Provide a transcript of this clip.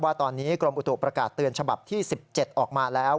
ว่าตอนนี้กรมอุตุประกาศเตือนฉบับที่๑๗ออกมาแล้ว